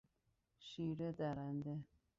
شیر درنده